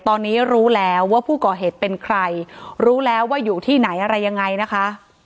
ตอนนี้รู้แล้วว่าผู้ก่อเหตุเป็นใครรู้แล้วว่าอยู่ที่ไหนอะไรยังไงนะคะ